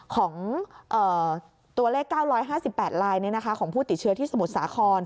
ของตัวเลข๙๕๘ลายของผู้ติดเชื้อที่สมุทรสาคร